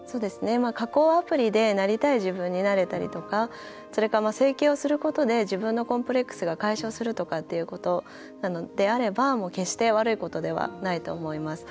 加工アプリでなりたい自分になれたりとかそれか、整形をすることで自分のコンプレックスが解消するとかっていうことであれば決して悪いことではないと思います。